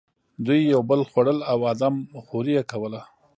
دوی یو بل خوړل او آدم خوري یې کوله.